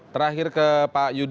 terakhir ke pak yudi